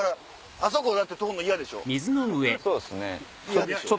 あそこだって通るの嫌でしょ？